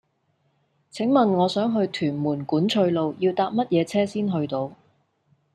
請問我想去屯門管翠路要搭乜嘢車先去到